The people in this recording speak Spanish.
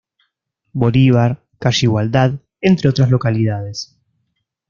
Bolívar, Calle Igualdad, entre otras localidades.